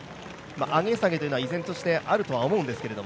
上げ下げというのはあると思うんですけど。